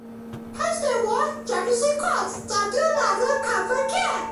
Post-war Japanese records, though, do not confirm a kill.